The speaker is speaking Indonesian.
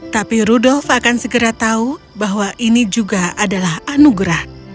tapi rudolf akan segera tahu bahwa ini juga adalah anugerah